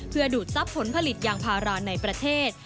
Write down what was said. เพื่อดูดทรัพย์ผลผลิตยางพาราในประเทศ